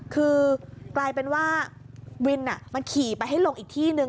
คือกลายเป็นว่าวินมันขี่ไปให้ลงอีกที่นึง